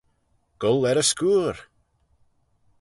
Goll er y scooyr!